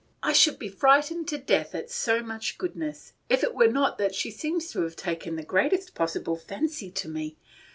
"I should be frightened to death at so much goodness, if it were not that she seems to have taken the greatest possible fancy to me.